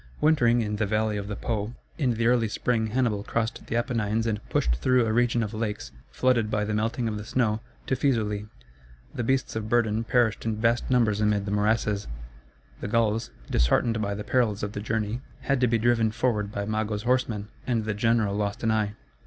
Wintering in the valley of the Po, in the early spring Hannibal crossed the Apennines and pushed through a region of lakes, flooded by the melting of the snow, to Fæsulæ. The beasts of burden perished in vast numbers amid the morasses; the Gauls, disheartened by the perils of the journey, had to be driven forward by Mago's horsemen, and the general lost an eye.